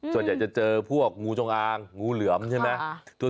ส่วนใหญ่จะเจอพวกงูจงอางงูเหลือมใช่ไหม